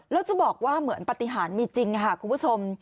แล้วจะบอกว่าเหมือนปฏิหารมีจริงค่ะคุณผู้ชม